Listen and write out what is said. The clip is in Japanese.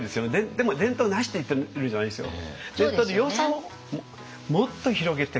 でも伝統なしって言ってるんじゃないですよ。